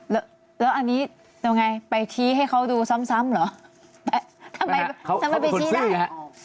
แล้วอันนี้เป็นไงไปชี้ให้เขาดูซ้ำเหรอทำไมไปชี้ได้